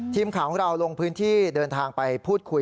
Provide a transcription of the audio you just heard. ทีมข่าวของเราลงพื้นที่เดินทางไปพูดคุย